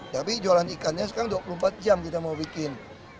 tapi jualan ikannya sekarang dua puluh empat jam kita mau bikin